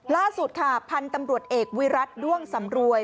ล่าสุดค่ะพันธุ์ตำรวจเอกวิรัด้วงสำรวย